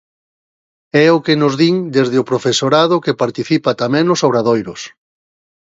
É o que nos din desde o profesorado que participa tamén nos obradoiros.